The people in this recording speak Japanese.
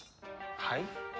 はい？